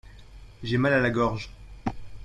J'ai mal à la gorge.